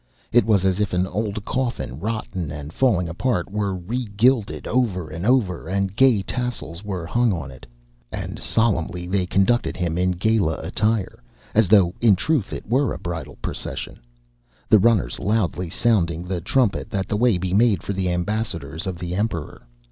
It was as if an old coffin, rotten and falling apart, were regilded over and over, and gay tassels were hung on it. And solemnly they conducted him in gala attire, as though in truth it were a bridal procession, the runners loudly sounding the trumpet that the way be made for the ambassadors of the Emperor.